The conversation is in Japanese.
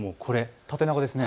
縦長ですね。